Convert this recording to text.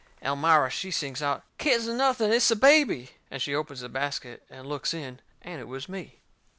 Elmira, she sings out: "Kittens, nothing! It's a baby!" And she opens the basket and looks in and it was me.